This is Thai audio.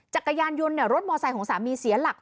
จักรยานยนต์รถมอไซค์ของสามีเสียหลัก